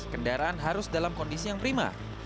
kendaraan harus dalam kondisi yang prima